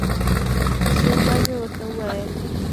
څو ځل مې ورته وویل.